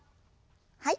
はい。